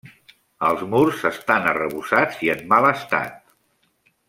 Els murs estan arrebossats i en mal estat.